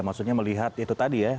maksudnya melihat itu tadi ya